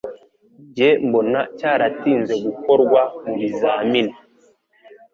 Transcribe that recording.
Njye mbona cyaratinze gukorwa mubizamini